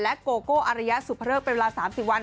โกโก้อารยสุภเริกเป็นเวลา๓๐วัน